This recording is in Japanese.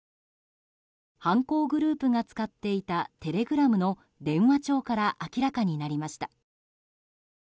犯行グループが使っていたテレグラムの電話帳から明らかになりました。